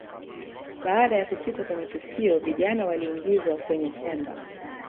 Baada ya kufika kwenye tukio vijana waliingizwa kwenye chemba